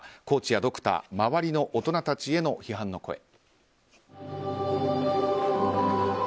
コーチやドクター周りの大人たちへの批判の声。